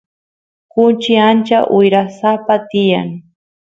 kuchi ancha wirasapa tiyan